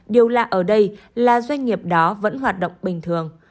điều lạ ở đây là doanh nghiệp đó vẫn hoạt động bình thường